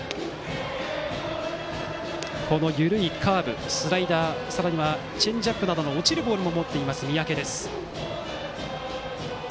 この緩いカーブ、スライダーさらにはチェンジアップなどの落ちるボールも持っている三宅。